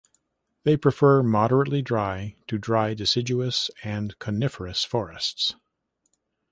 They prefer moderately dry to dry deciduous and coniferous forests.